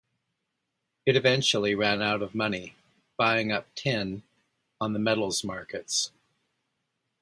It eventually ran out of money buying up tin on the metals markets.